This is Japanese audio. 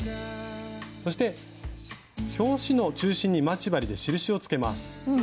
そして表紙の中心に待ち針で印を付けます。